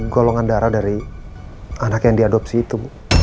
golongan darah dari anak yang diadopsi itu